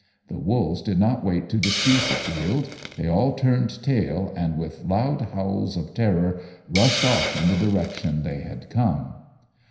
The wolves did not wait to dispute the field; they all turned tail and, with loud howls of terror, rushed off in the direction they had come.